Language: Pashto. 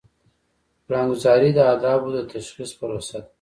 پلانګذاري د اهدافو د تشخیص پروسه ده.